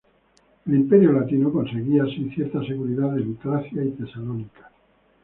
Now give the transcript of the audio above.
El Imperio Latino conseguía así cierta seguridad en Tracia y Tesalónica.